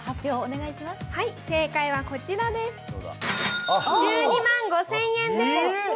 正解はこちらです。